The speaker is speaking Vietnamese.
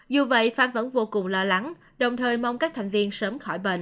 dù vậy phan vẫn vô cùng lo lắng đồng thời mong các thành viên sớm khỏi bệnh